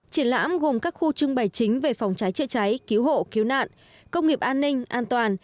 triển lãm gồm các khu trưng bày chính về phòng cháy chữa cháy cứu hộ cứu nạn công nghiệp an ninh an toàn